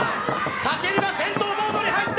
武尊が戦闘モードに入った。